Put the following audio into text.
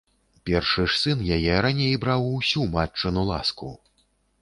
Першы ж сын яе раней браў усю матчыну ласку!